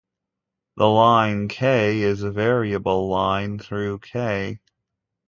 The line "k" is a variable line through "K".